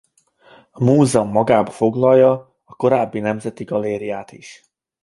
A múzeum magába foglalja a korábbi nemzeti galériát is.